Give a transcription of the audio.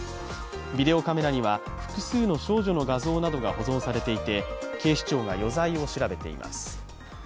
ビデオカメラには複数の少女の画像などが保存されていて警視庁が余罪を調べています。